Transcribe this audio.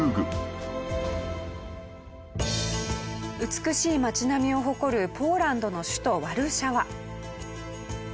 美しい街並みを誇るポーランドの首都ワルシャワ。